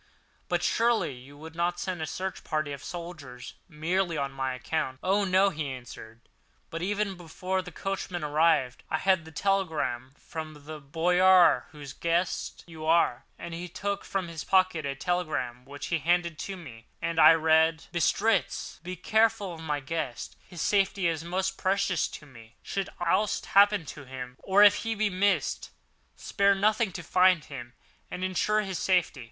"But surely you would not send a search party of soldiers merely on this account?" "Oh, no!" he answered; "but even before the coachman arrived, I had this telegram from the Boyar whose guest you are," and he took from his pocket a telegram which he handed to me, and I read: Bistritz. Be careful of my guest—his safety is most precious to me. Should aught happen to him, or if he be missed, spare nothing to find him and ensure his safety.